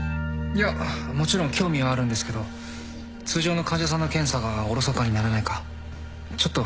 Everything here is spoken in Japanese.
いやもちろん興味はあるんですけど通常の患者さんの検査がおろそかにならないかちょっと不安で。